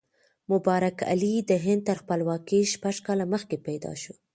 مبارک علي د هند تر خپلواکۍ شپږ کاله مخکې پیدا شو.